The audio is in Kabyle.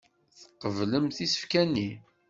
Tqeblemt isefka-nni.